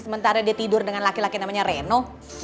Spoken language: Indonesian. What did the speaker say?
sementara dia tidur dengan laki laki namanya reno